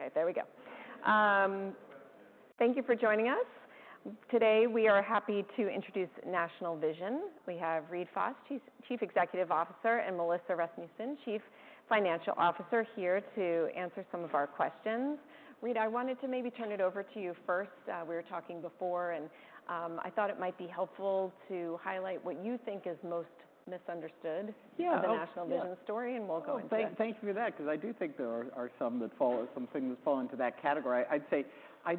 Okay, there we go. Thank you for joining us. Today, we are happy to introduce National Vision. We have Reade Fahs, he's Chief Executive Officer, and Melissa Rasmussen, Chief Financial Officer, here to answer some of our questions. Reade, I wanted to maybe turn it over to you first. We were talking before, and, I thought it might be helpful to highlight what you think is most misunderstood. Yeah. Oh, yeah. The National Vision story, and we'll go into it. Thank you for that, 'cause I do think there are some things that fall into that category. I'd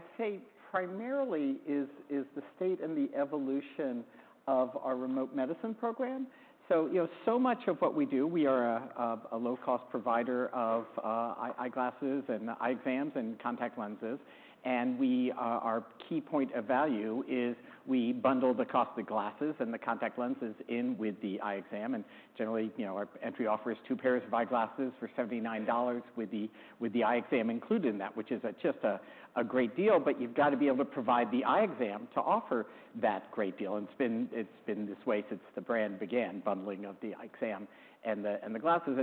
say primarily is the state and the evolution of our remote medicine program. So, you know, so much of what we do, we are a low-cost provider of eyeglasses and eye exams and contact lenses. Our key point of value is we bundle the cost of glasses and the contact lenses in with the eye exam, and generally, you know, our entry offer is two pairs of eyeglasses for $79 with the eye exam included in that, which is just a great deal. But you've got to be able to provide the eye exam to offer that great deal, and it's been this way since the brand began, bundling of the eye exam and the glasses.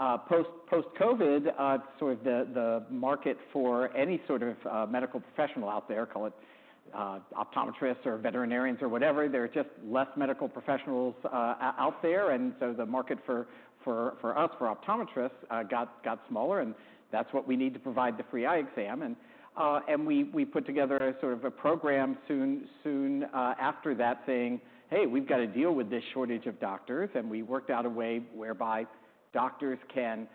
And post-COVID, sort of the market for any sort of medical professional out there, call it optometrists or veterinarians or whatever, there are just less medical professionals out there, and so the market for us, for optometrists got smaller, and that's what we need to provide the free eye exam. And we put together a sort of a program soon after that saying: Hey, we've got to deal with this shortage of doctors. And we worked out a way whereby doctors can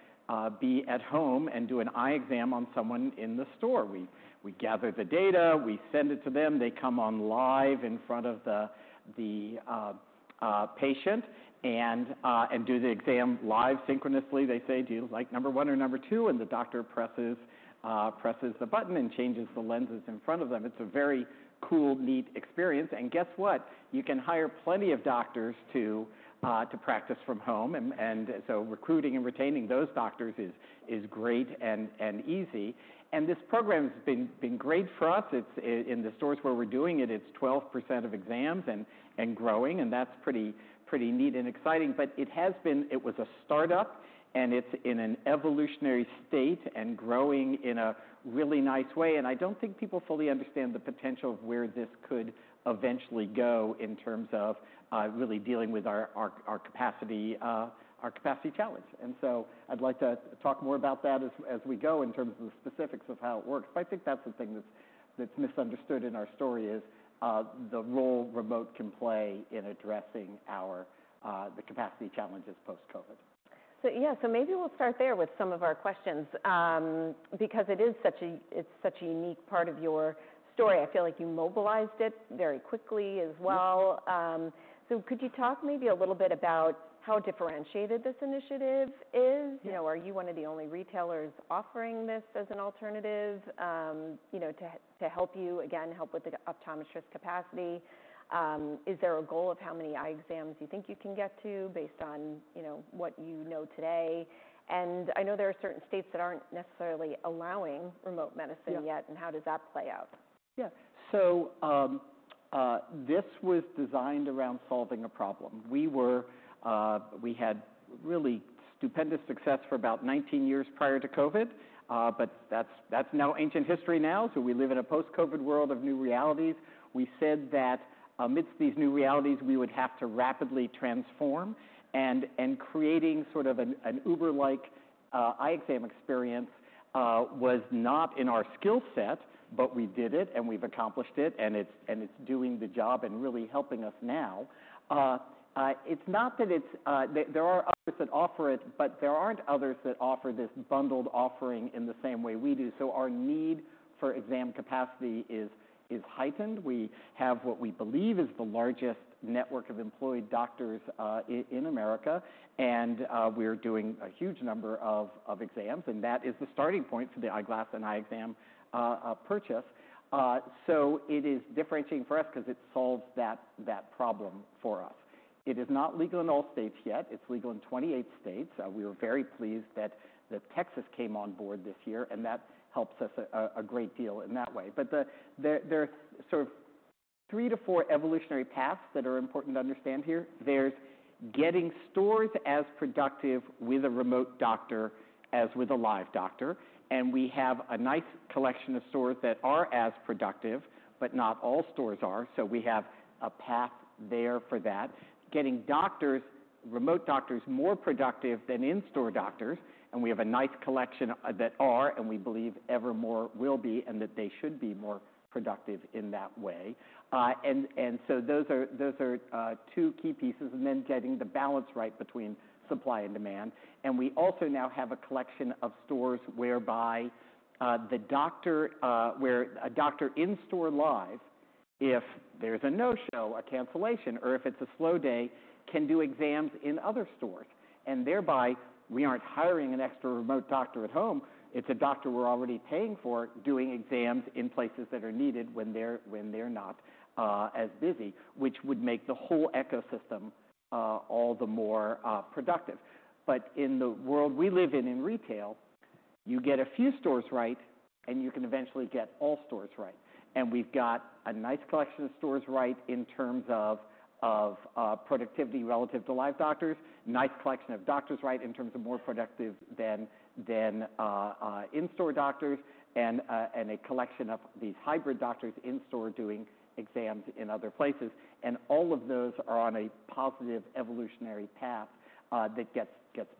be at home and do an eye exam on someone in the store. We gather the data, we send it to them, they come on live in front of the patient, and do the exam live synchronously. They say, "Do you like number one or number two?" And the doctor presses the button and changes the lenses in front of them. It's a very cool, neat experience, and guess what? You can hire plenty of doctors to practice from home, and so recruiting and retaining those doctors is great and easy. And this program has been great for us. It's in the stores where we're doing it, it's 12% of exams and growing, and that's pretty neat and exciting. But it has been. It was a startup, and it's in an evolutionary state and growing in a really nice way. And I don't think people fully understand the potential of where this could eventually go in terms of really dealing with our capacity challenge. And so I'd like to talk more about that as we go in terms of the specifics of how it works. But I think that's the thing that's misunderstood in our story, is the role remote can play in addressing our capacity challenges post-COVID. So yeah. So maybe we'll start there with some of our questions, because it is such a, it's such a unique part of your story. I feel like you mobilized it very quickly as well. Mm-hmm. Could you talk maybe a little bit about how differentiated this initiative is? Yeah. You know, are you one of the only retailers offering this as an alternative, you know, to help you, again, help with the optometrist capacity? Is there a goal of how many eye exams you think you can get to based on, you know, what you know today? And I know there are certain states that aren't necessarily allowing remote medicine- Yeah. -yet, and how does that play out? Yeah. So, this was designed around solving a problem. We were, we had really stupendous success for about nineteen years prior to COVID, but that's now ancient history now. So we live in a post-COVID world of new realities. We said that amidst these new realities, we would have to rapidly transform, and creating sort of an Uber-like eye exam experience was not in our skill set, but we did it, and we've accomplished it, and it's doing the job and really helping us now. It's not that it's. There are others that offer it, but there aren't others that offer this bundled offering in the same way we do. So our need for exam capacity is heightened. We have what we believe is the largest network of employed doctors in America, and we're doing a huge number of exams, and that is the starting point for the eyeglass and eye exam purchase, so it is differentiating for us 'cause it solves that problem for us. It is not legal in all states yet. It's legal in 28 states. We were very pleased that Texas came on board this year, and that helps us a great deal in that way, but there are sort of three to four evolutionary paths that are important to understand here. There's getting stores as productive with a remote doctor as with a live doctor, and we have a nice collection of stores that are as productive, but not all stores are, so we have a path there for that. Getting doctors, remote doctors, more productive than in-store doctors, and we have a nice collection that are, and we believe ever more will be, and that they should be more productive in that way, and so those are two key pieces, and then getting the balance right between supply and demand, and we also now have a collection of stores whereby the doctor where a doctor in-store live, if there's a no-show, a cancellation, or if it's a slow day, can do exams in other stores, and thereby we aren't hiring an extra remote doctor at home. It's a doctor we're already paying for, doing exams in places that are needed when they're not as busy, which would make the whole ecosystem all the more productive, but in the world we live in, in retail... You get a few stores right, and you can eventually get all stores right. And we've got a nice collection of stores right in terms of productivity relative to live doctors. Nice collection of doctors, right, in terms of more productive than in-store doctors, and a collection of these hybrid doctors in-store doing exams in other places, and all of those are on a positive evolutionary path that gets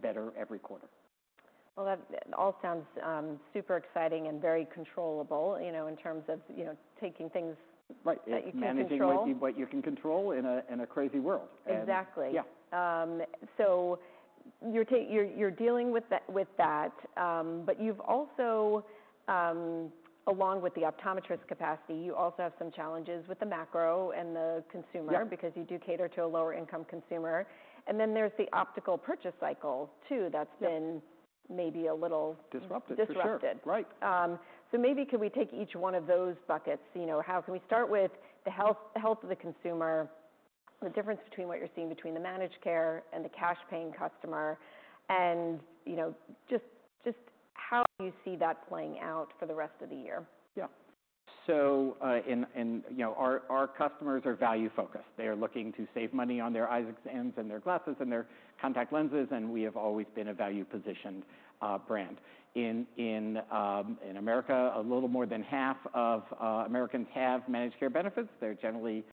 better every quarter. That all sounds super exciting and very controllable, you know, in terms of, you know, taking things- Right. -that you can control. Managing what you can control in a crazy world. Exactly. Yeah. So you're dealing with that, but you've also, along with the optometrist capacity, you also have some challenges with the macro and the consumer- Yeah -because you do cater to a lower-income consumer. And then there's the optical purchase cycle too, that's been- Yeah Maybe a little. Disrupted. Disrupted. For sure. Right. So maybe could we take each one of those buckets, you know, how can we start with the health of the consumer, the difference between what you're seeing between the managed care and the cash paying customer, and, you know, just how do you see that playing out for the rest of the year? Yeah. So, you know, our customers are value-focused. They are looking to save money on their eye exams and their glasses, and their contact lenses, and we have always been a value-positioned brand. In America, a little more than half of Americans have managed care benefits. They're generally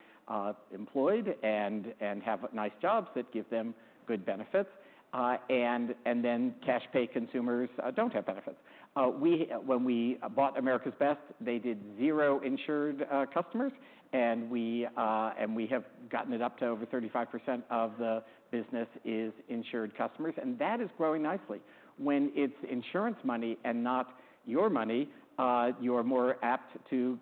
employed and have nice jobs that give them good benefits, and then cash pay consumers don't have benefits. When we bought America's Best, they did zero insured customers, and we have gotten it up to over 35% of the business is insured customers, and that is growing nicely. When it's insurance money and not your money, you're more apt to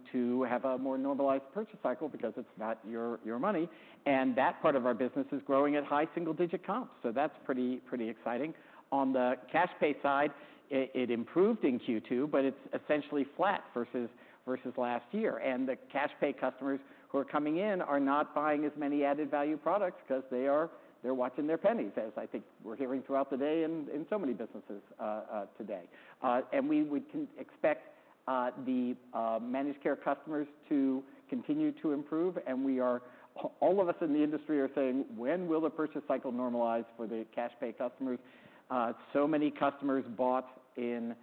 have a more normalized purchase cycle because it's not your money, and that part of our business is growing at high single-digit comps. So that's pretty exciting. On the cash pay side, it improved in Q2, but it's essentially flat versus last year. And the cash pay customers who are coming in are not buying as many added value products because they are... They're watching their pennies, as I think we're hearing throughout the day in so many businesses today. And we would expect the managed care customers to continue to improve, and we are. All of us in the industry are saying, "When will the purchase cycle normalize for the cash pay customers?" So many customers bought in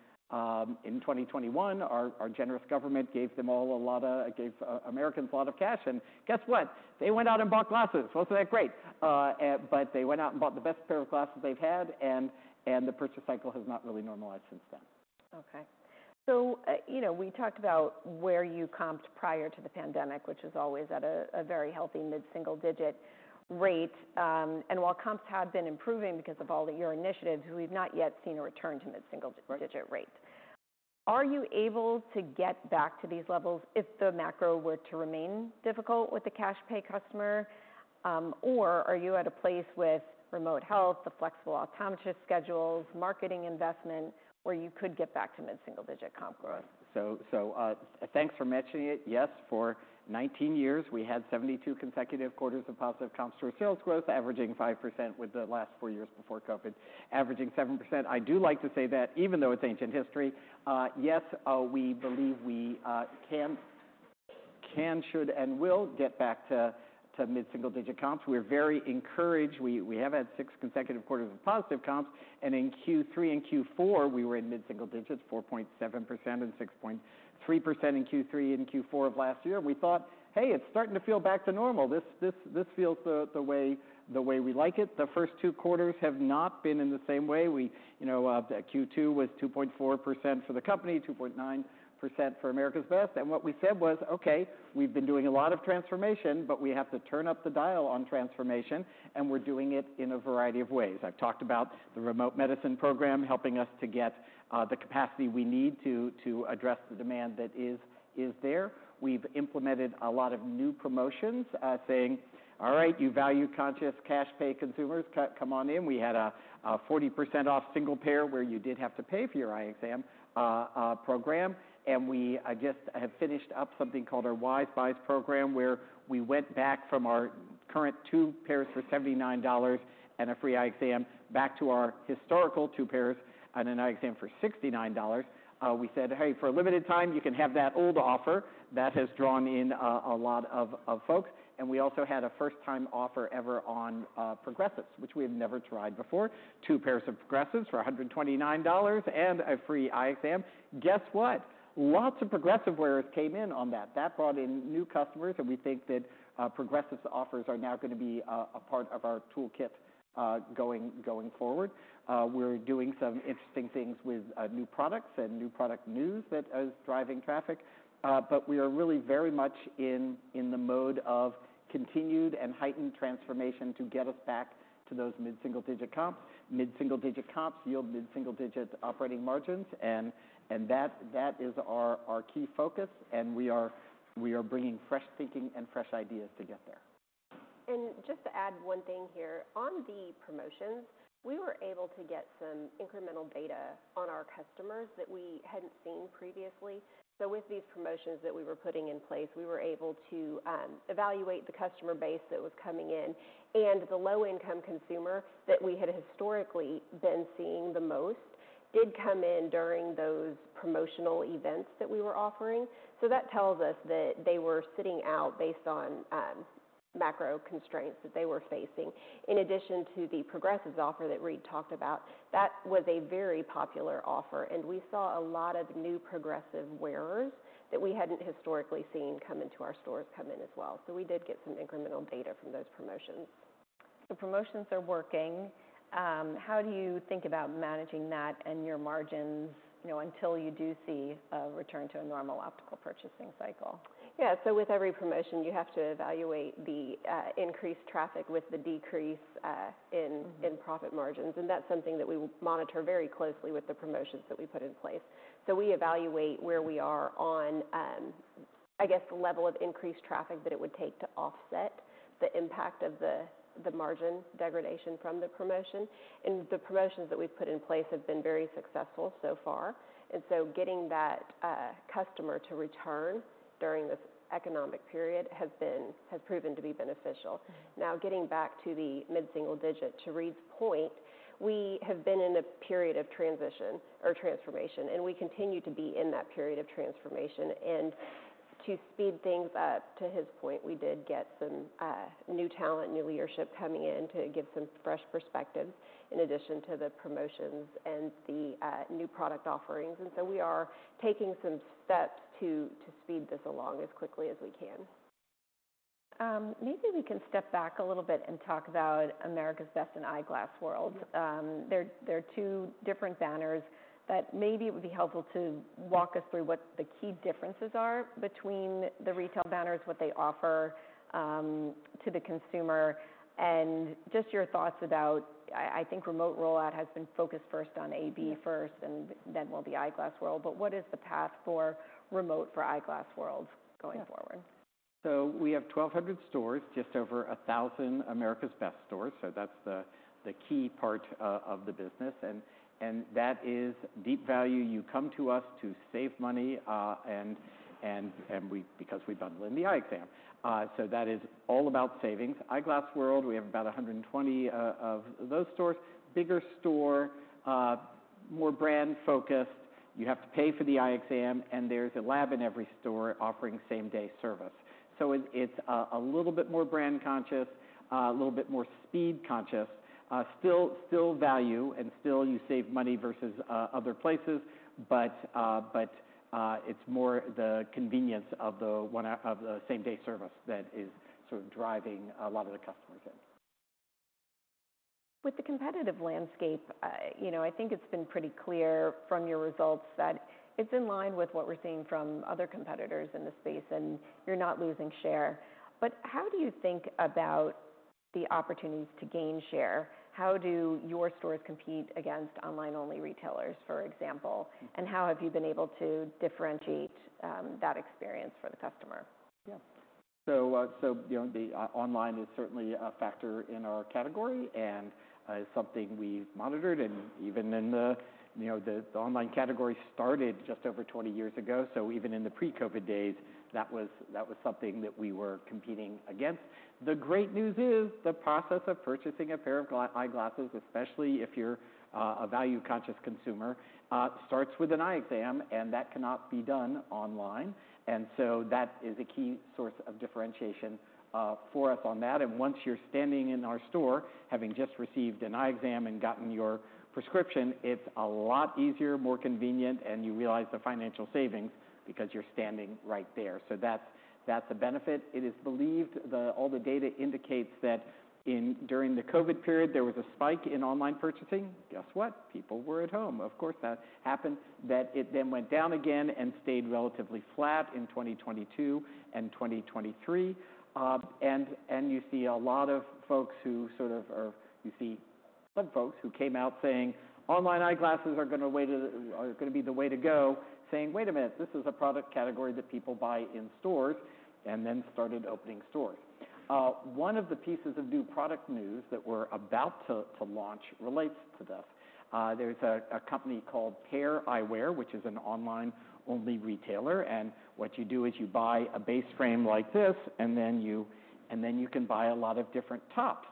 in twenty twenty-one. Our generous government gave Americans a lot of cash, and guess what? They went out and bought glasses. Wasn't that great? But they went out and bought the best pair of glasses they've had, and the purchase cycle has not really normalized since then. Okay. You know, we talked about where you comped prior to the pandemic, which is always at a very healthy mid-single digit rate. While comps have been improving because of all the year initiatives, we've not yet seen a return to mid-single digit rate. Are you able to get back to these levels if the macro were to remain difficult with the cash pay customer? Or are you at a place with remote medicine, the flexible optometrist schedules, marketing investment, where you could get back to mid-single digit comp growth? Thanks for mentioning it. Yes, for 19 years, we had 72 consecutive quarters of positive comps or sales growth, averaging 5%, with the last four years before COVID, averaging 7%. I do like to say that even though it's ancient history, yes, we believe we can, should, and will get back to mid-single digit comps. We're very encouraged. We have had six consecutive quarters of positive comps, and in Q3 and Q4, we were in mid-single digits, 4.7% and 6.3% in Q3 and Q4 of last year. We thought, "Hey, it's starting to feel back to normal. This feels the way we like it." The first two quarters have not been in the same way. We, you know, Q2 was 2.4% for the company, 2.9% for America's Best. And what we said was, "Okay, we've been doing a lot of transformation, but we have to turn up the dial on transformation," and we're doing it in a variety of ways. I've talked about the remote medicine program, helping us to get the capacity we need to address the demand that is there. We've implemented a lot of new promotions, saying, "All right, you value-conscious cash pay consumers, come on in." We had a 40% off single pair, where you did have to pay for your eye exam, program. We just have finished up something called our Wise Buys program, where we went back from our current two pairs for $79 and a free eye exam, back to our historical two pairs and an eye exam for $69. We said, "Hey, for a limited time, you can have that old offer," that has drawn in a lot of folks. We also had a first-time offer ever on progressives, which we have never tried before, two pairs of progressives for $129 and a free eye exam. Guess what? Lots of progressive wearers came in on that. That brought in new customers, and we think that progressives offers are now gonna be a part of our toolkit going forward. We're doing some interesting things with new products and new product news that is driving traffic, but we are really very much in the mode of continued and heightened transformation to get us back to those mid-single digit comps. Mid-single digit comps yield mid-single digit operating margins, and that is our key focus, and we are bringing fresh thinking and fresh ideas to get there. Just to add one thing here. On the promotions, we were able to get some incremental data on our customers that we hadn't seen previously. With these promotions that we were putting in place, we were able to evaluate the customer base that was coming in. The low-income consumer that we had historically been seeing the most did come in during those promotional events that we were offering. That tells us that they were sitting out based on macro constraints that they were facing. In addition to the progressives offer that Reade talked about, that was a very popular offer, and we saw a lot of new progressive wearers that we hadn't historically seen come into our stores, come in as well. We did get some incremental data from those promotions. The promotions are working. How do you think about managing that and your margins, you know, until you do see a return to a normal optical purchasing cycle? Yeah. So with every promotion, you have to evaluate the increased traffic with the decrease in- Mm-hmm in profit margins, and that's something that we monitor very closely with the promotions that we put in place. So we evaluate where we are on, I guess, the level of increased traffic that it would take to offset the impact of the, the margin degradation from the promotion. And the promotions that we've put in place have been very successful so far. And so getting that customer to return during this economic period has proven to be beneficial. Now, getting back to the mid-single digit, to Reade's point, we have been in a period of transition or transformation, and we continue to be in that period of transformation. And to speed things up, to his point, we did get some new talent, new leadership coming in to give some fresh perspective, in addition to the promotions and the new product offerings. We are taking some steps to speed this along as quickly as we can. Maybe we can step back a little bit and talk about America's Best and Eyeglass World. Yeah. They're two different banners, but maybe it would be helpful to walk us through what the key differences are between the retail banners, what they offer to the consumer, and just your thoughts about... I think remote rollout has been focused first on AB first- Yeah And then will be Eyeglass World. But what is the path for remote for Eyeglass World going forward? Yeah. So we have twelve hundred stores, just over a thousand America's Best stores. So that's the key part of the business, and that is deep value. You come to us to save money, and because we bundle in the eye exam. So that is all about savings. Eyeglass World, we have about a hundred and twenty of those stores. Bigger store, more brand focused. You have to pay for the eye exam, and there's a lab in every store offering same-day service. So it's a little bit more brand conscious, a little bit more speed conscious. Still value, and still you save money versus other places, but it's more the convenience of the same-day service that is sort of driving a lot of the customers in. With the competitive landscape, you know, I think it's been pretty clear from your results that it's in line with what we're seeing from other competitors in the space, and you're not losing share, but how do you think about the opportunities to gain share? How do your stores compete against online-only retailers, for example? Mm-hmm. How have you been able to differentiate that experience for the customer? Yeah. So, you know, the online is certainly a factor in our category and is something we've monitored, and even in the, you know, the online category started just over twenty years ago, so even in the pre-COVID days, that was something that we were competing against. The great news is, the process of purchasing a pair of eyeglasses, especially if you're a value-conscious consumer, starts with an eye exam, and that cannot be done online. And so that is a key source of differentiation for us on that. And once you're standing in our store, having just received an eye exam and gotten your prescription, it's a lot easier, more convenient, and you realize the financial savings because you're standing right there. So that's a benefit. It is believed all the data indicates that during the COVID period, there was a spike in online purchasing. Guess what? People were at home. Of course, that happened. That it then went down again and stayed relatively flat in 2022 and 2023. You see a lot of folks who sort of, you see some folks who came out saying, "Online eyeglasses are gonna be the way to go," saying, "Wait a minute, this is a product category that people buy in stores," and then started opening stores. One of the pieces of new product news that we're about to launch relates to this. There's a company called Pair Eyewear, which is an online-only retailer, and what you do is you buy a base frame like this, and then you can buy a lot of different tops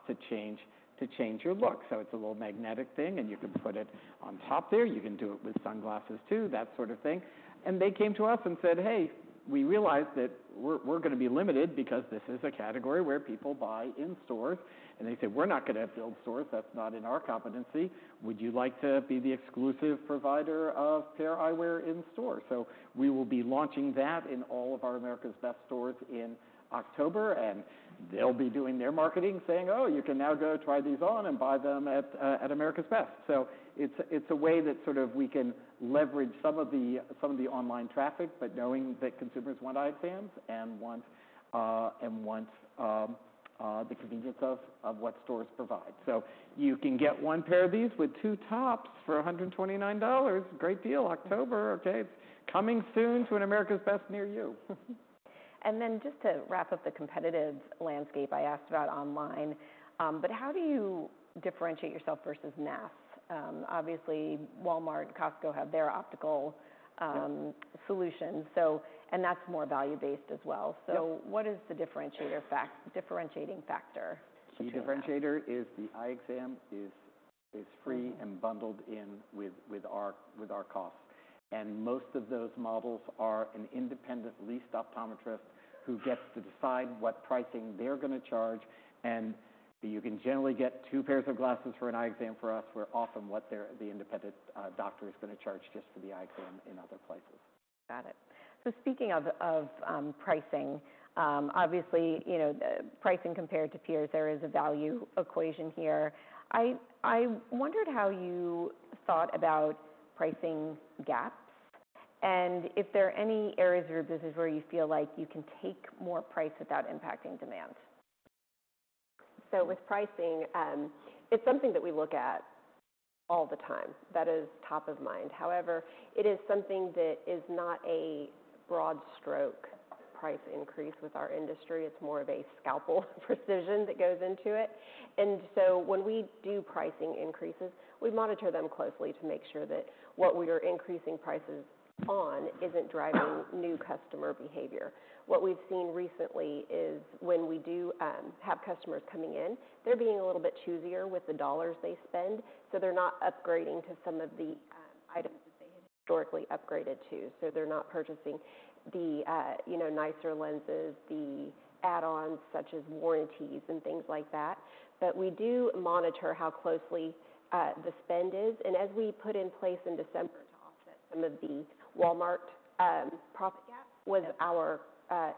to change your look. So it's a little magnetic thing, and you can put it on top there. You can do it with sunglasses too, that sort of thing. And they came to us and said, "Hey, we realize that we're gonna be limited because this is a category where people buy in stores." And they said, "We're not gonna build stores. That's not in our competency. Would you like to be the exclusive provider of Pair Eyewear in store?" So we will be launching that in all of our America's Best stores in October, and they'll be doing their marketing, saying, "Oh, you can now go try these on and buy them at, at America's Best." So it's a way that sort of we can leverage some of the online traffic, but knowing that consumers want eye exams and want the convenience of what stores provide. So you can get one pair of these with two tops for $129. Great deal, October. Okay, coming soon to an America's Best near you. And then just to wrap up the competitive landscape, I asked about online, but how do you differentiate yourself versus mass? Obviously, Walmart and Costco have their optical, Yeah... solutions, so, and that's more value-based as well. Yeah. What is the differentiating factor to that? The differentiator is the eye exam is free and bundled in with our costs. And most of those models are an independent leased optometrist who gets to decide what pricing they're gonna charge. And you can generally get two pairs of glasses for an eye exam for us, where often what the independent doctor is gonna charge just for the eye exam in other places. Got it. So speaking of pricing, obviously, you know, the pricing compared to peers, there is a value equation here. I wondered how you thought about pricing gaps, and if there are any areas of your business where you feel like you can take more price without impacting demand? With pricing, it's something that we look at all the time. That is top of mind. However, it is something that is not a broad stroke price increase with our industry. It's more of a scalpel precision that goes into it. When we do pricing increases, we monitor them closely to make sure that what we are increasing prices on isn't driving new customer behavior. What we've seen recently is when we do have customers coming in, they're being a little bit choosier with the dollars they spend, so they're not upgrading to some of the items that they had historically upgraded to. They're not purchasing the you know, nicer lenses, the add-ons such as warranties and things like that. We do monitor how closely the spend is. And as we put in place in December to offset some of the Walmart profit gap was our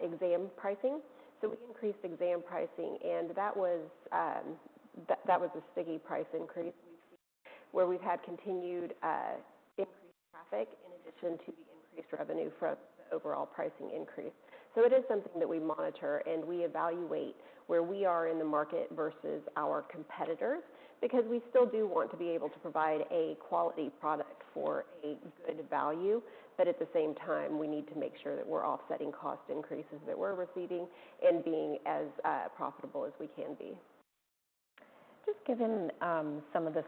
exam pricing. So we increased exam pricing, and that was a sticky price increase we've seen, where we've had continued increased traffic in addition to the increased revenue from the overall pricing increase. So it is something that we monitor, and we evaluate where we are in the market versus our competitors, because we still do want to be able to provide a quality product for a good value. But at the same time, we need to make sure that we're offsetting cost increases that we're receiving and being as profitable as we can be. Just given some of the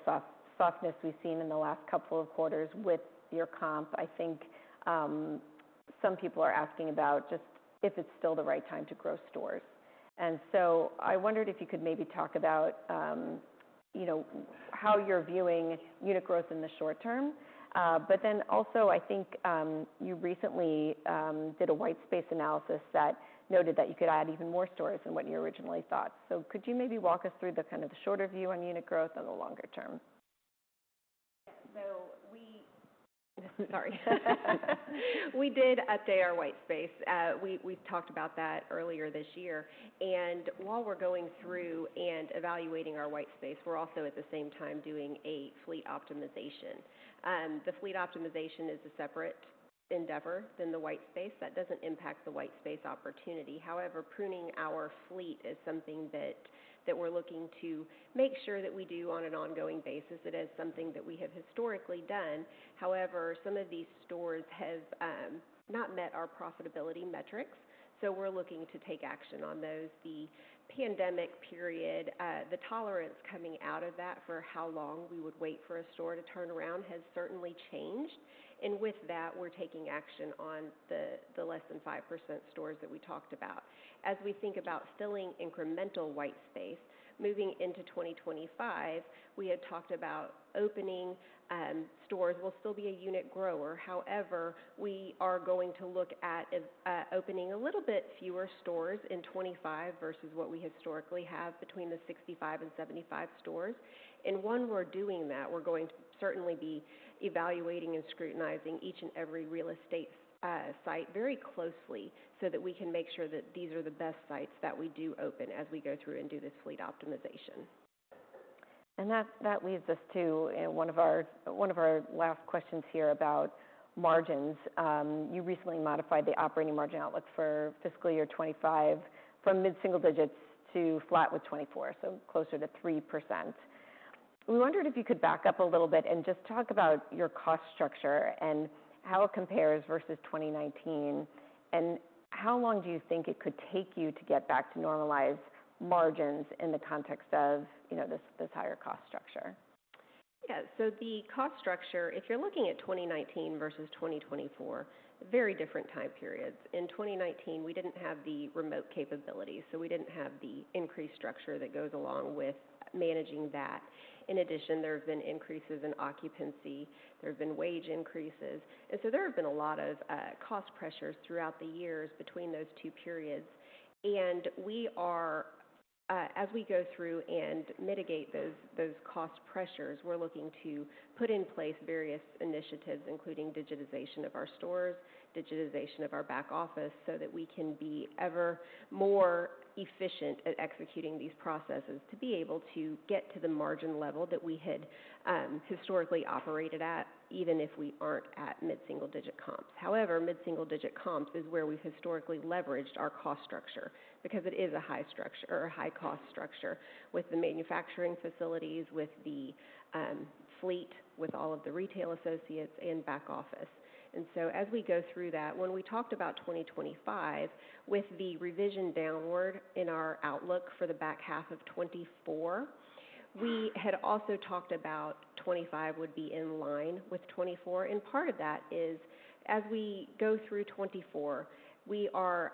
softness we've seen in the last couple of quarters with your comp, I think some people are asking about just if it's still the right time to grow stores, and so I wondered if you could maybe talk about, you know, how you're viewing unit growth in the short term, but then also, I think you recently did a white space analysis that noted that you could add even more stores than what you originally thought, so could you maybe walk us through the kind of the shorter view on unit growth and the longer term? We did update our white space. We talked about that earlier this year. And while we're going through and evaluating our white space, we're also at the same time doing a fleet optimization. The fleet optimization is a separate endeavor than the white space. That doesn't impact the white space opportunity. However, pruning our fleet is something that we're looking to make sure that we do on an ongoing basis. It is something that we have historically done. However, some of these stores have not met our profitability metrics, so we're looking to take action on those. The pandemic period, the tolerance coming out of that for how long we would wait for a store to turn around has certainly changed, and with that, we're taking action on the less than 5% stores that we talked about. As we think about filling incremental white space, moving into twenty twenty-five, we had talked about opening stores. We'll still be a unit grower. However, we are going to look at opening a little bit fewer stores in twenty-five versus what we historically have, between the 65 and 75 stores, and when we're doing that, we're going to certainly be evaluating and scrutinizing each and every real estate site very closely, so that we can make sure that these are the best sites that we do open as we go through and do this fleet optimization. That leads us to one of our last questions here about margins. You recently modified the operating margin outlook for fiscal year 2025 from mid-single digits to flat with 2024, so closer to 3%. We wondered if you could back up a little bit and just talk about your cost structure and how it compares versus 2019, and how long do you think it could take you to get back to normalized margins in the context of, you know, this higher cost structure? Yeah. So the cost structure, if you're looking at 2019 versus 2024, very different time periods. In 2019, we didn't have the remote capability, so we didn't have the increased structure that goes along with managing that. In addition, there have been increases in occupancy, there have been wage increases, and so there have been a lot of cost pressures throughout the years between those two periods. And we are, as we go through and mitigate those cost pressures, we're looking to put in place various initiatives, including digitization of our stores, digitization of our back office, so that we can be ever more efficient at executing these processes, to be able to get to the margin level that we had, historically operated at, even if we aren't at mid-single-digit comps. However, mid-single-digit comps is where we've historically leveraged our cost structure, because it is a high structure or a high cost structure, with the manufacturing facilities, with the fleet, with all of the retail associates and back office. And so as we go through that, when we talked about 2025, with the revision downward in our outlook for the back half of 2024, we had also talked about 2025 would be in line with 2024. And part of that is, as we go through 2024, we are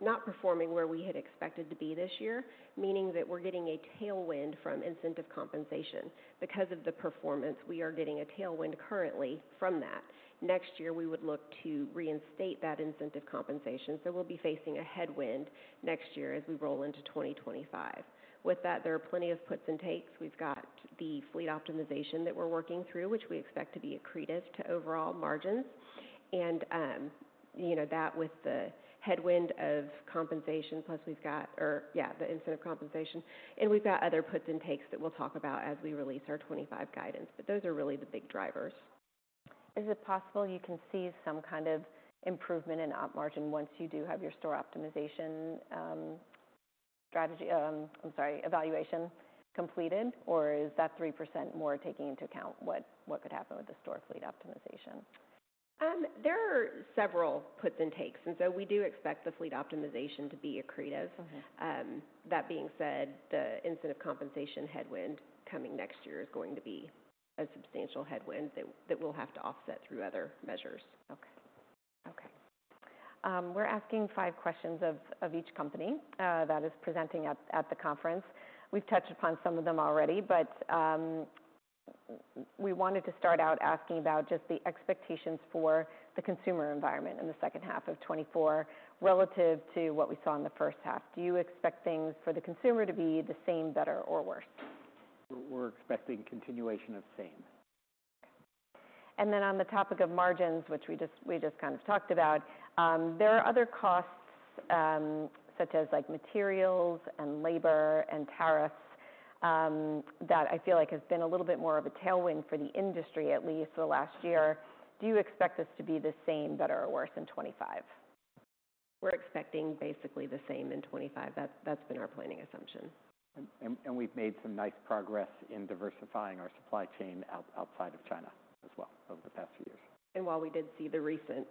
not performing where we had expected to be this year, meaning that we're getting a tailwind from incentive compensation. Because of the performance, we are getting a tailwind currently from that. Next year, we would look to reinstate that incentive compensation, so we'll be facing a headwind next year as we roll into 2025. With that, there are plenty of puts and takes. We've got the fleet optimization that we're working through, which we expect to be accretive to overall margins. And, you know, that with the headwind of compensation, plus we've got the incentive compensation, and we've got other puts and takes that we'll talk about as we release our 2025 guidance, but those are really the big drivers. ... Is it possible you can see some kind of improvement in op margin once you do have your store optimization, strategy, I'm sorry, evaluation completed? Or is that 3% more taking into account what could happen with the store fleet optimization? There are several puts and takes, and so we do expect the fleet optimization to be accretive. Okay. That being said, the incentive compensation headwind coming next year is going to be a substantial headwind that we'll have to offset through other measures. Okay, we're asking five questions of each company that is presenting at the conference. We've touched upon some of them already, but we wanted to start out asking about just the expectations for the consumer environment in the second half of twenty-four, relative to what we saw in the first half. Do you expect things for the consumer to be the same, better, or worse? We're expecting continuation of same. On the topic of margins, which we just kind of talked about, there are other costs, such as like materials and labor and tariffs, that I feel like has been a little bit more of a tailwind for the industry, at least the last year. Do you expect this to be the same, better, or worse in twenty-five? We're expecting basically the same in 2025. That, that's been our planning assumption. We've made some nice progress in diversifying our supply chain outside of China as well, over the past few years. And while we did see the recent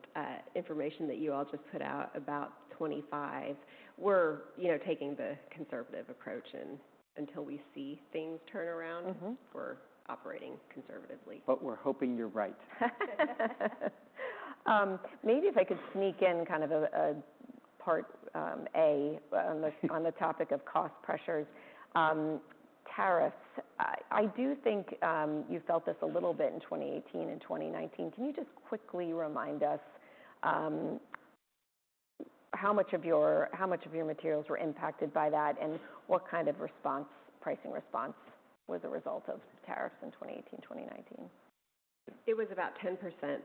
information that you all just put out about 25, we're, you know, taking the conservative approach, and until we see things turn around- Mm-hmm... we're operating conservatively. But we're hoping you're right. Maybe if I could sneak in kind of a part on the topic of cost pressures. Tariffs, I do think you felt this a little bit in twenty eighteen and twenty nineteen. Can you just quickly remind us how much of your materials were impacted by that, and what kind of response, pricing response, was a result of tariffs in twenty eighteen, twenty nineteen? It was about 10%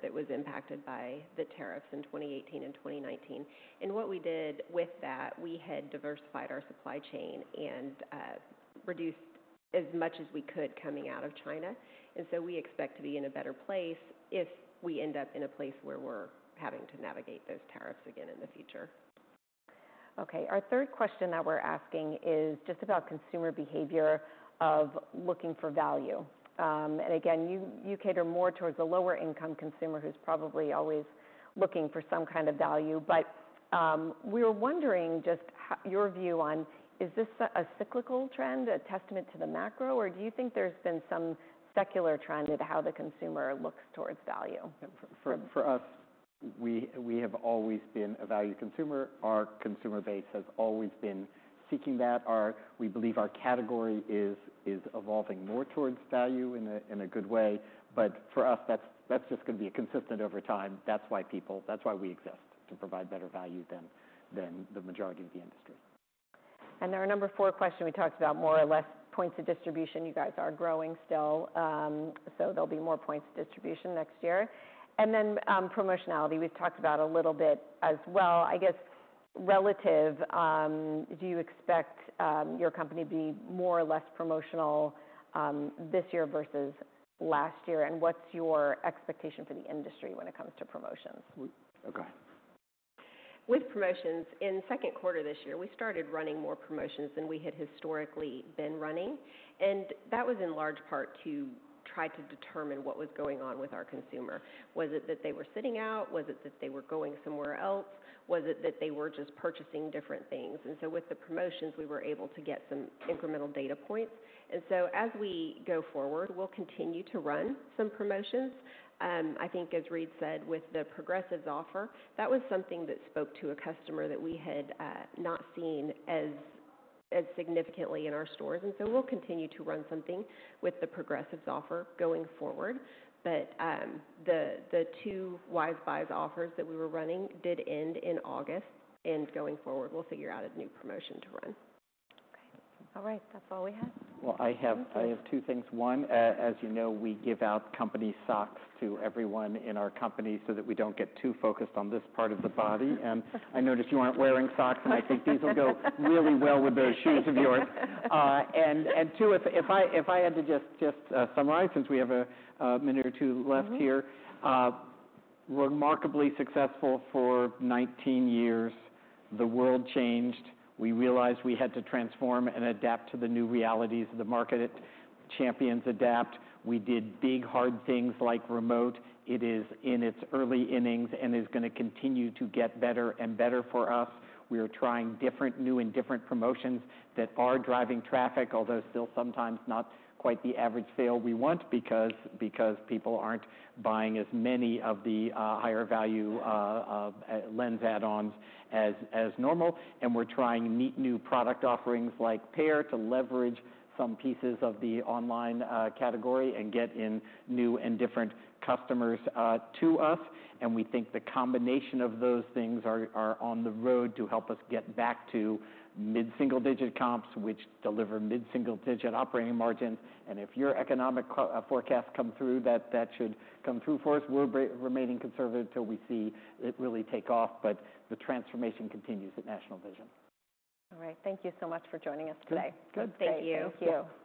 that was impacted by the tariffs in 2018 and 2019, and what we did with that, we had diversified our supply chain and reduced as much as we could coming out of China, and so we expect to be in a better place if we end up in a place where we're having to navigate those tariffs again in the future. Okay. Our third question that we're asking is just about consumer behavior of looking for value. And again, you cater more towards the lower income consumer, who's probably always looking for some kind of value. But we were wondering just your view on, is this a cyclical trend, a testament to the macro, or do you think there's been some secular trend into how the consumer looks towards value? For us, we have always been a value consumer. Our consumer base has always been seeking that. We believe our category is evolving more towards value in a good way. But for us, that's just gonna be consistent over time. That's why people... That's why we exist, to provide better value than the majority of the industry. Our number four question, we talked about more or less points of distribution. You guys are growing still, so there'll be more points of distribution next year. And then, promotionality, we've talked about a little bit as well. I guess, relative, do you expect, your company to be more or less promotional, this year versus last year? And what's your expectation for the industry when it comes to promotions? W- Okay. With promotions, in the second quarter this year, we started running more promotions than we had historically been running, and that was in large part to try to determine what was going on with our consumer. Was it that they were sitting out? Was it that they were going somewhere else? Was it that they were just purchasing different things? And so with the promotions, we were able to get some incremental data points. And so as we go forward, we'll continue to run some promotions. I think, as Reade said, with the progressives offer, that was something that spoke to a customer that we had not seen as significantly in our stores. And so we'll continue to run something with the progressives offer going forward. But, the two Wise Buys offers that we were running did end in August, and going forward, we'll figure out a new promotion to run. Okay. All right, that's all we have? Well, I have- Okay. I have two things. One, as you know, we give out company socks to everyone in our company so that we don't get too focused on this part of the body, and I noticed you aren't wearing socks, and I think these will go really well with those shoes of yours. Thank you. And two, if I had to just summarize, since we have a minute or two left here- Mm-hmm Remarkably successful for nineteen years. The world changed. We realized we had to transform and adapt to the new realities of the market. Champions adapt. We did big, hard things like remote. It is in its early innings and is gonna continue to get better and better for us. We are trying different, new and different promotions that are driving traffic, although still sometimes not quite the average sale we want, because people aren't buying as many of the higher value lens add-ons as normal. And we're trying neat new product offerings like Pair, to leverage some pieces of the online category and get in new and different customers to us. And we think the combination of those things are on the road to help us get back to mid-single-digit comps, which deliver mid-single-digit operating margins. And if your economic forecast come through, that should come through for us. We're remaining conservative till we see it really take off, but the transformation continues at National Vision. All right. Thank you so much for joining us today. Good- Good day. Thank you. Thank you.